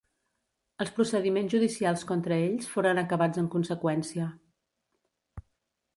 Els procediments judicials contra ells foren acabats en conseqüència.